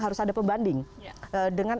harus ada pembanding dengan